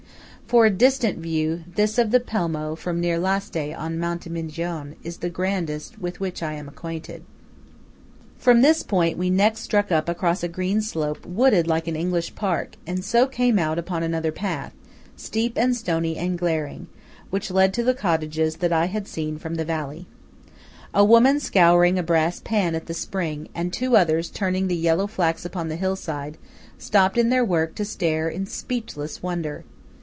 For a distant view, this of the Pelmo from near Lasté on Monte Migion, is the grandest with which I am acquainted. From this point we next struck up across a green slope wooded like an English park, and so came out upon another path, steep and stony and glaring, which led to the cottages that I had seen from the valley. A woman scouring a brass pan at the spring, and two others turning the yellow flax upon the hillside, stopped in their work to stare in speechless wonder.